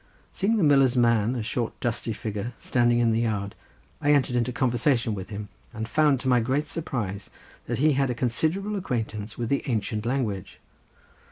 Seeing the miller's man, a short dusty figure, standing in the yard, I entered into conversation with him, and found to my great surprise that he had a considerable acquaintance with the ancient language.